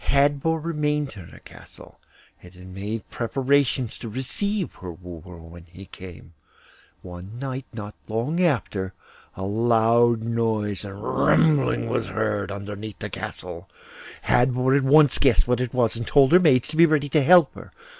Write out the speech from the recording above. Hadvor remained in her castle, and had made preparations to receive her wooer when he came. One night, not long after, a loud noise and rumbling was heard under the castle. Hadvor at once guessed what it was, and told her maids to be ready to help her.